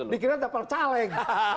dikira dapal caleg